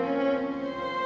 aku mau kemana